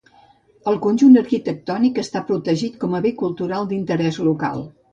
El conjunt arquitectònic està protegit com a bé cultural d'interès local.